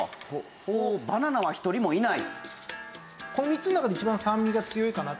バナナは１人もいない。